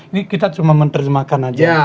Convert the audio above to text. ini kita cuma menerjemahkan aja